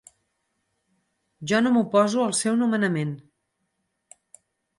Jo no m'oposo al seu nomenament.